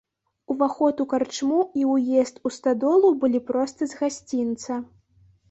Уваход у карчму і ўезд у стадолу былі проста з гасцінца.